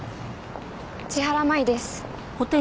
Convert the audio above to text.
千原麻衣です。